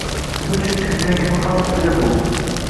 Nima uchun kundan-kun xalq tili bu.